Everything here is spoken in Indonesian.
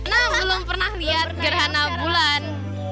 nah belum pernah lihat gerhana bulan